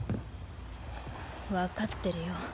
分かってるよ。